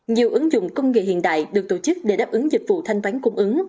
nhiều ứng dụng công nghệ hiện đại được tổ chức để đáp ứng dịch vụ thanh toán cung ứng